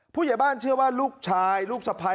ผู้ใหญ่บ้านเชื่อว่าลูกชายลูกสะพ้าย